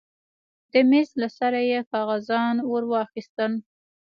د مېز له سره يې کاغذان ورواخيستل.